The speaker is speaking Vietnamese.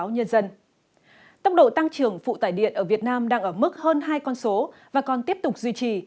nhiều tăng trưởng phụ tải điện ở việt nam đang ở mức hơn hai con số và còn tiếp tục duy trì